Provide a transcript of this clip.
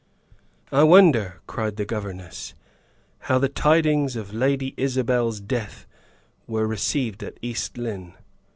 "I wonder," cried the governess, "how the tidings of Lady Isabel's death were received at East Lynne?"